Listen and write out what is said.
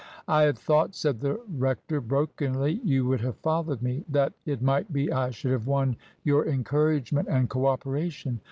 "I had thought," said the rector, brokenly, "you would have followed me. That, it might be, I should have won your encouragement and co operation."